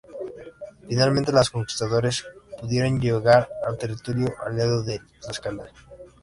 Finalmente los conquistadores pudieron llegar al territorio aliado de Tlaxcala.